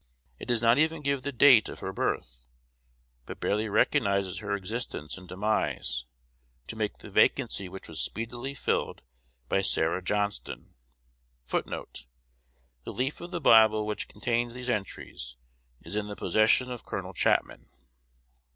It does not even give the date of her birth, but barely recognizes her existence and demise, to make the vacancy which was speedily filled by Sarah Johnston.1 1 The leaf of the Bible which contains these entries is in the possession of Col. Chapman.